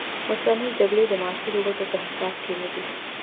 اوسنۍ جګړې د معاصرو ګټو په حساب کې نه دي.